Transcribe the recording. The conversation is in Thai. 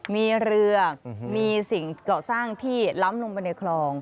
มีเรือมีสิ่งเกาะสร้างที่ล้ำลงไปในคลอง